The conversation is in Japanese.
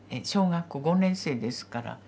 小学校５年生ですから。